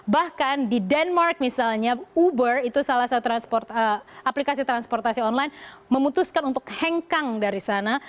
bahkan di denmark misalnya uber itu salah satu aplikasi transportasi online memutuskan untuk hengkang dari sana